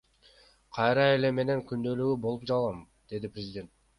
Кайра эле мен күнөөлүү болуп калам, — деди президент.